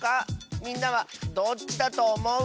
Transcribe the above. みんなはどっちだとおもう？